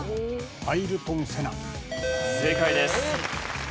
正解です。